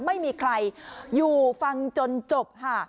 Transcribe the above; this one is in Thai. ไม่มีใครอยู่ฟังจนจบค่ะ